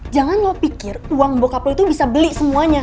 jangan lo pikir uang bokapel itu bisa beli semuanya